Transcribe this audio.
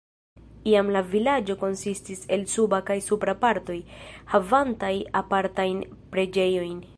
Iam la vilaĝo konsistis el "Suba" kaj "Supra" partoj, havantaj apartajn preĝejojn.